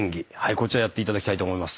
こちらやっていただきたいと思います。